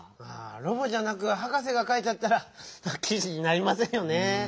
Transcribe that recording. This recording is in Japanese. ああロボじゃなくハカセがかいちゃったらきじになりませんよねぇ。